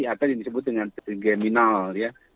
apa yang disebut dengan pergeminal ya